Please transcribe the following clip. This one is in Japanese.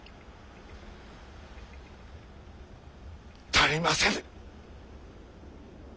足りませぬ。